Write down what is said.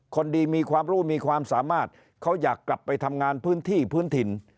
คนดีมีความรู้มีความสามารถเขาอยากกลับไปทำงานพื้นที่พื้นถิ่น